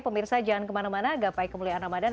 pemirsa jangan kemana mana gapai kemuliaan ramadhan